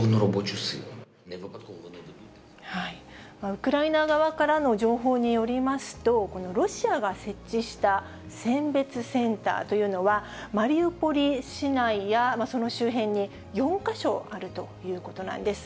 ウクライナ側からの情報によりますと、このロシアが設置した選別センターというのは、マリウポリ市内やその周辺に４か所あるということなんです。